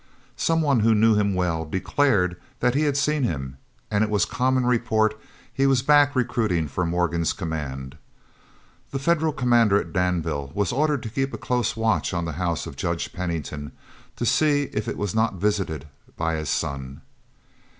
Some one who knew him well declared that he had seen him, and it was common report he was back recruiting for Morgan's command. The Federal commander at Danville was ordered to keep a close watch on the house of Judge Pennington to see if it was not visited by his son.